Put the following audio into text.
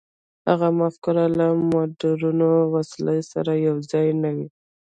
هغه مفکورې له مډرنو وسلو سره یو ځای نه وې.